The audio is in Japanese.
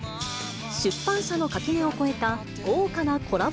出版社の垣根を越えた豪華なコラボ